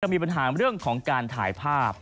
มีปัญหาเรื่องของการถ่ายภาพ